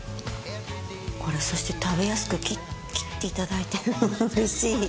これそして食べやすく切っていただいてるのがうれしい。